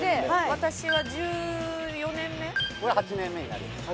私は１４年目俺８年目になります